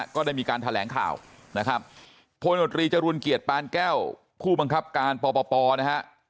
ก็ได้มีการแถลงข่าวนะครับพลโนตรีจรุลเกียรติปานแก้วผู้บังคับการปปนะฮะ